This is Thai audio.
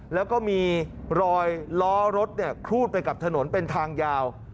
แล้วก็มีรอยล้อรถครูดไปกับถนนเป็นทางยาว